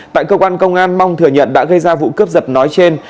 tại cơ quan công an mong thừa nhận đã gây ra vụ cướp giật nói trên